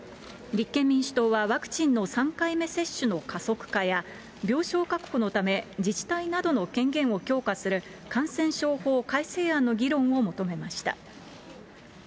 立憲民主党はワクチンの３回目接種の加速化や、病床確保のため、自治体などの権限を強化する感染症法改正案の議論を求めました。